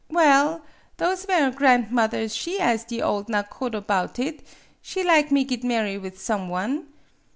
Well, those ver' grandmother she as' the ole nakodo 'bout it ; she lig me git marry with some one.